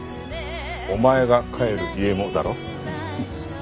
お前が帰る家もだろ？